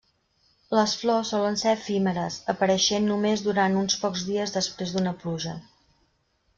Les flors solen ser efímeres, apareixent només durant uns pocs dies després d'una pluja.